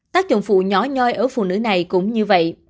tác dụng phụ nhỏ nhoi ở phụ nữ này cũng như vậy